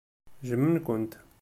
Jjmen-kent.